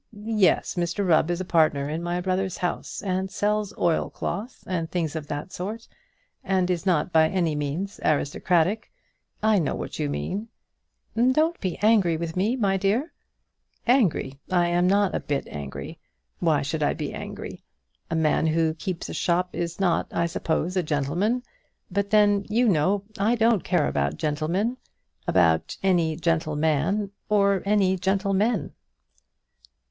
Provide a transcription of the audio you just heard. "Yes; Mr Rubb is a partner in my brother's house, and sells oilcloth, and things of that sort, and is not by any means aristocratic. I know what you mean." "Don't be angry with me, my dear." "Angry! I am not a bit angry. Why should I be angry? A man who keeps a shop is not, I suppose, a gentleman. But then, you know, I don't care about gentlemen, about any gentleman, or any gentlemen."